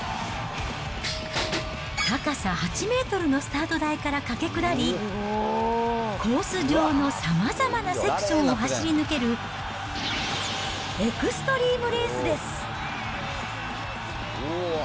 高さ８メートルのスタート台から駆け下り、コース上のさまざまなセクションを走り抜ける、エクストリームレースです。